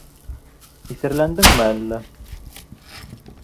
Иҫәрләндеңме әллә?!